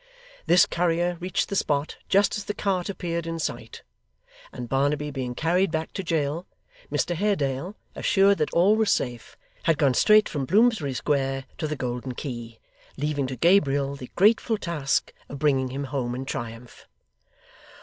This courier reached the spot just as the cart appeared in sight; and Barnaby being carried back to jail, Mr Haredale, assured that all was safe, had gone straight from Bloomsbury Square to the Golden Key, leaving to Gabriel the grateful task of bringing him home in triumph.